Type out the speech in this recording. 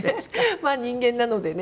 まあ人間なのでね